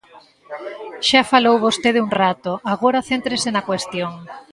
Xa falou vostede un rato, agora céntrese na cuestión.